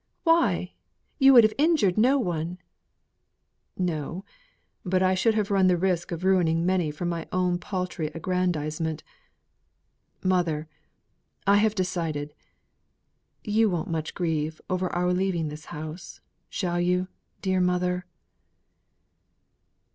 "Why! You would have injured no one." "No; but I should have run the risk of ruining many for my own paltry aggrandisement. Mother, I have decided! You won't much grieve over our leaving this house, shall you, dear mother?"